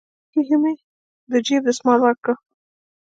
په نخښه كښې مې د جيب دسمال وركړ.